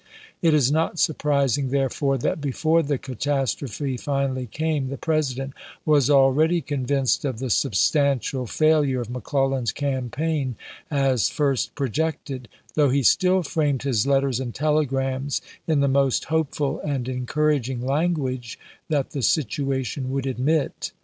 It is not surprising, therefore, that before the catastrophe finally came the President was already convinced of the substantial failure of McClellan's campaign as first projected, though he still framed his letters and telegrams in the most hopeful and encouraging language that the situa tion would admit.